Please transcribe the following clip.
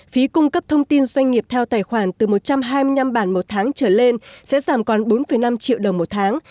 phí cung cấp thông tin doanh nghiệp theo tài khoản từ một trăm hai mươi năm bản một tháng trở lên sẽ giảm còn bốn năm triệu đồng một tháng